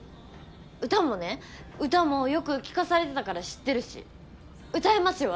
歌もね歌もよく聴かされてたから知ってるし歌えますよ